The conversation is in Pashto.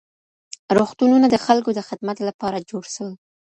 روغتونونه د خلګو د خدمت لپاره جوړ سول.